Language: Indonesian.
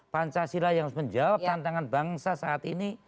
pancasila yang harus menjawab tantangan bangsa saat ini